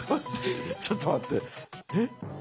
ちょっと待ってえ。